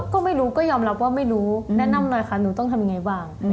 ก็ไม่รู้ก็ยอมรับว่าไม่รู้แนะนำหน่อยค่ะหนูต้องทำยังไงบ้าง